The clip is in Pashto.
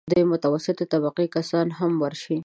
د متوسطې طبقې کسان هم ورشي.